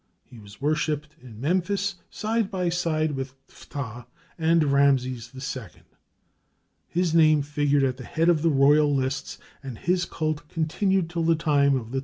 He was worshipped in Memphis, side by side with Phtah and Ramses II.; his name figured at the head of the royal lists, and his cult continued till the time of the Ptolemies.